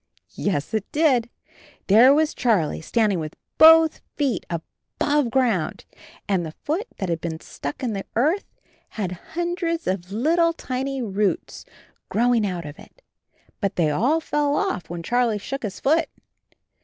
Yes, it did. There was Charlie standing with both feet above ground and the foot that had been stuck in the earth had hundreds of little thin roots growing out of it. But they all fell off when Charlie shook his foot.